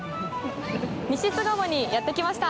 西巣鴨にやってきました！